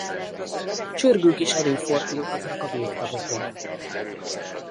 Csörgők is előfordulhatnak a végtagokon.